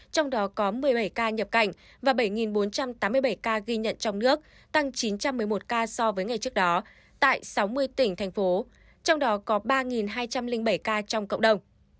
trong đó có một mươi bảy ca nhập cảnh và bảy bốn trăm tám mươi bảy ca ghi nhận trong nước tăng chín trăm một mươi một ca so với ngày trước đó tại sáu mươi tỉnh thành phố trong đó có ba hai trăm linh bảy ca trong cộng đồng